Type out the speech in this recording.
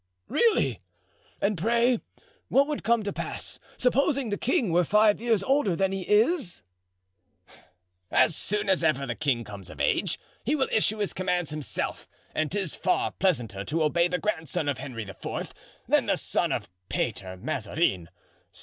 "Really! And pray what would come to pass, supposing the king were five years older than he is?" "As soon as ever the king comes of age he will issue his commands himself, and 'tis far pleasanter to obey the grandson of Henry IV. than the son of Peter Mazarin.